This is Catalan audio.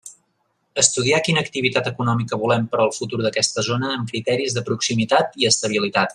Estudiar quina activitat econòmica volem per al futur d'aquesta zona amb criteris de proximitat i estabilitat.